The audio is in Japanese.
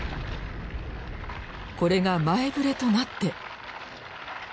これが前ぶれとなって。